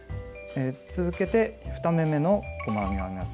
続けて２目めの細編みを編みます。